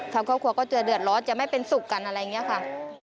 ทางครอบครัวก็จะเดือดร้อนจะไม่เป็นสุขกันอะไรอย่างนี้ค่ะ